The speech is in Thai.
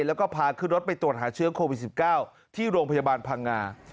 แล้วก็พาขึ้นรถไปตรวจหาเชื้อโควิด๑๙ที่โรงพยาบาลพังงา